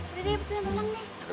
udah deh pertunan ulang deh